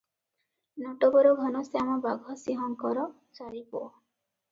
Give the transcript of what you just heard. ନଟବର ଘନଶ୍ୟାମ ବାଘସିଂହଙ୍କର ଚାରି ପୁଅ ।